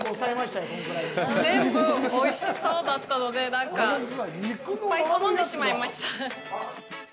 全部おいしそうだったのでいっぱい頼んでしまいました。